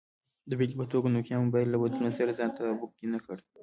د بېلګې په توګه، نوکیا موبایل له بدلون سره ځان تطابق کې نه کړ.